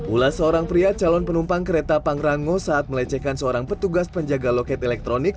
ulas seorang pria calon penumpang kereta pangrango saat melecehkan seorang petugas penjaga loket elektronik